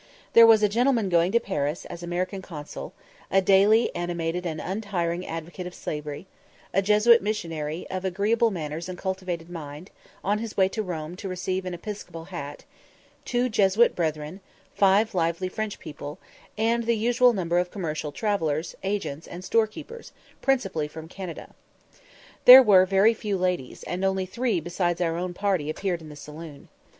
There was a gentleman going to Paris as American consul, a daily, animated, and untiring advocate of slavery; a Jesuit missionary, of agreeable manners and cultivated mind, on his way to Rome to receive an episcopal hat; two Jesuit brethren; five lively French people; and the usual number of commercial travellers, agents, and storekeepers, principally from Canada. There were very few ladies, and only three besides our own party appeared in the saloon.